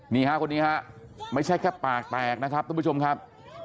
นี่ฮะคนนี้ฮะไม่ใช่แค่ปากแตกนะครับทุกผู้ชมครับ